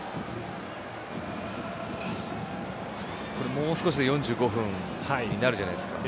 もう少しで４５分になるじゃないですか。